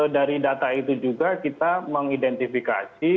dari data itu juga kita mengidentifikasi